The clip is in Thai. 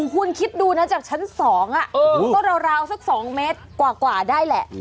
คุณคิดดูนะจากชั้น๒ก็ราวสัก๒เมตรกว่าได้แหละ